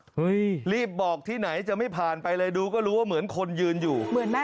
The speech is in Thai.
รีบบอกที่ไหนจะไม่ผ่านไปเลยดูก็รู้ว่าเหมือนคนยืนอยู่เหมือนไหม